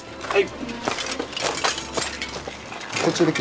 はい！